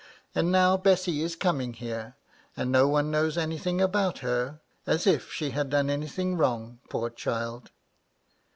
And now Bessy is coming here ; and no one knows anything about her — as if she had done anything wrong, poor child